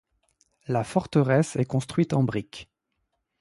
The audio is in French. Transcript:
La forteresse est construite en briques.